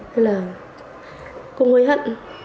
thế là cũng hối hận